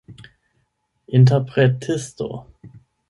interpretisto